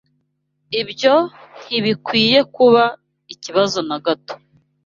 Ibyo ntibikwiye kuba ikibazo na gato.